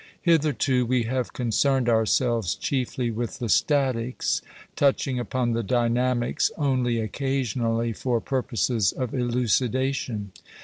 Hitherto we have concerned ourselves chiefly with the statics, touching upon the dynamics only occasionally for purposes of elucidation.